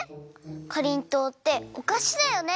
かりんとうっておかしだよね？